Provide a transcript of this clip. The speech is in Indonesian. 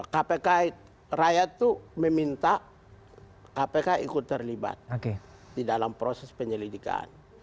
kpk rakyat itu meminta kpk ikut terlibat di dalam proses penyelidikan